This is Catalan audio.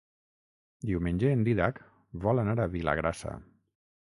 Diumenge en Dídac vol anar a Vilagrassa.